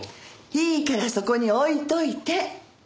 いいからそこに置いといて。